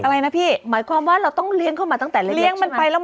อะไรนะพี่หมายความว่าเราต้องเลี้ยงเขามาตั้งแต่ระยะใช่ไหม